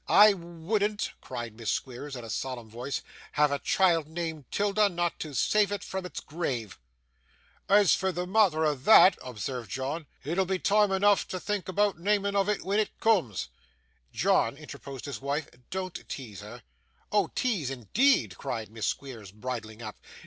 I wouldn't,' cried Miss Squeers in a solemn voice, 'have a child named 'Tilda, not to save it from its grave.' 'As for the matther o' that,' observed John, 'it'll be time eneaf to think aboot neaming of it when it cooms.' 'John!' interposed his wife, 'don't tease her.' 'Oh! Tease, indeed!' cried Miss Squeers, bridling up.